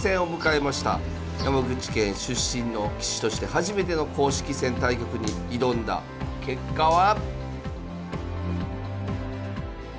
山口県出身の棋士として初めての公式戦対局に挑んだ結果は。